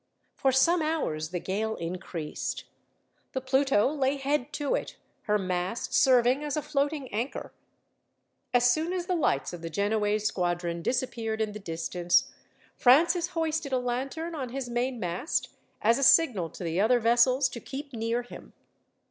For some hours the gale increased. The Pluto lay head to it, her mast serving as a floating anchor. As soon as the lights of the Genoese squadron disappeared in the distance, Francis hoisted a lantern on his mainmast, as a signal to the other vessels to keep near him.